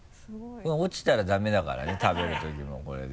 落ちたらダメだからね食べるときもこれで。